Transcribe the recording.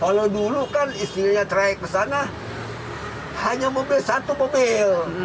kalau dulu kan istrinya trayek ke sana hanya mobil satu mobil